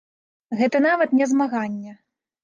Гэта нават не змаганне.